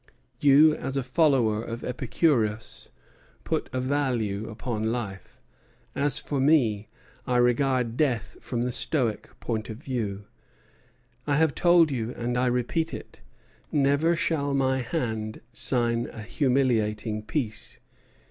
"You as a follower of Epicurus put a value upon life; as for me, I regard death from the Stoic point of view. I have told you, and I repeat it, never shall my hand sign a humiliating peace.